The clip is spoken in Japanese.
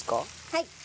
はい。